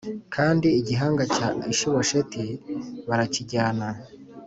Kandi igihanga cya Ishibosheti barakijyana